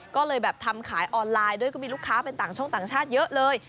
ก็เลยแบบทำขายออนไลน์ด้วยก็มีลูกค้าเป็นต่างช่องต่างชาติเยอะเลย